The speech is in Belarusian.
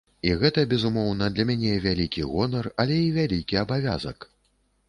І гэта, безумоўна, для мяне вялікі гонар, але і вялікі абавязак.